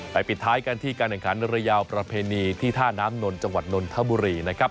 ไปปิดท้ายการที่การแท่งขันนาโรยาวประเพณีที่ท่าน้ำนท์จนทบุรีนะครับ